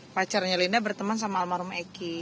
pacarnya linda berteman sama almarhum egy